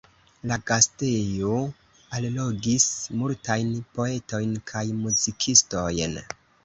La gastejo allogis multajn poetojn kaj muzikistojn.